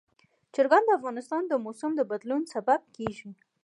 چرګان د افغانستان د موسم د بدلون سبب کېږي.